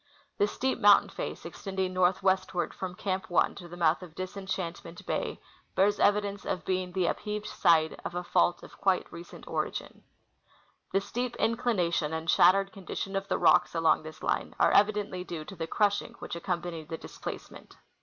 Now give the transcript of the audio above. The steep mountain face ex Our First Chmp. 83 tending nortliwestAvard from Camp 1 to the mouth of Disen chantment bay bears evidence of being the upheaved side of a fault of quite recent origin. The steep inclination and shattered condition of the rocks along this line are evidenth" due to the crushing which accompanied the displacement.